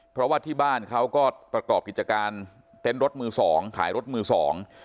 เพราะว่าที่บ้านเขาก็ประกอบกิจการเต้นรถมือสองขายรถมือสอง